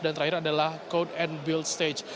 dan terakhir adalah code and build stage